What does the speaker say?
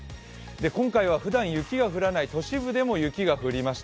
今回はふだん雪が降らない都市部でも雪が降りました。